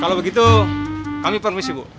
kalau begitu kami permisi bu